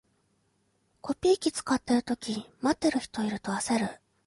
コピー機使ってるとき、待ってる人いると焦る